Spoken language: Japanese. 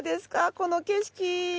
この景色。